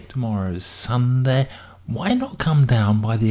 To morrow's Sunday. Why not come down by the 8.